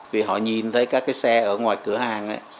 vì họ nhìn thấy các cái xe ở ngoài cửa hàng